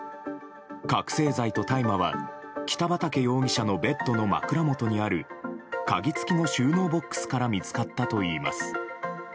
覚醒剤と大麻は北畠容疑者のベッドの枕元にある鍵付きの収納ボックスから見つかったといいます。